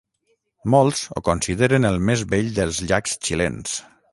Molts ho consideren el més bell dels llacs xilens.